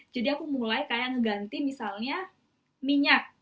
jadi aku mulai kayak ngeganti misalnya minyak